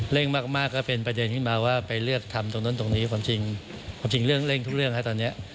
่งมากก็เป็นประเด็นขึ้นมาว่าไปเลือกทำตรงนั้นตรงนี้ความจริงความจริงเรื่องเร่งทุกเรื่องฮะตอนนี้